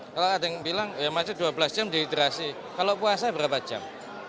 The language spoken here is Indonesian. kalau ada yang bilang ya macet dua belas jam dehidrasi kalau puasa berapa jam